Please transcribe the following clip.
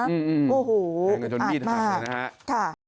อืมอืมอืมโหโหอ่ะมาท่า